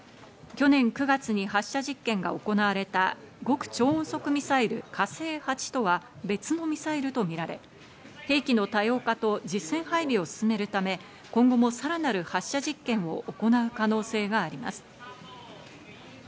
去年９月に発射実験が行われた極超音速ミサイル「火星８」とは別のミサイルとみられ、兵器の多様化と実戦配備を進めるため、今後もさらなる発射実験を行う可能性があります。